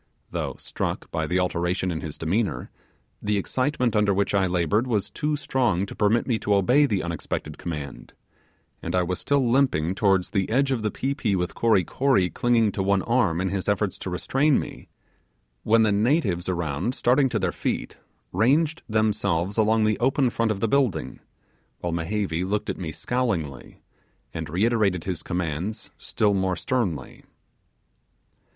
Though struck by the alteration in his demeanour, the excitement under which I laboured was too strong to permit me to obey the unexpected command, and I was still limping towards the edge of the pi pi with Kory Kory clinging to one arm in his efforts to restrain me, when the natives around started to their feet, ranged themselves along the open front of the building, while Mehevi looked at me scowlingly, and reiterated his commands still more sternly.